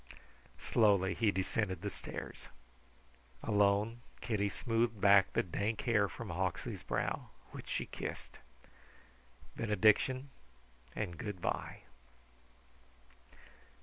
Slowly he descended the stairs. Alone, Kitty smoothed back the dank hair from Hawksley's brow, which she kissed. Benediction and good bye.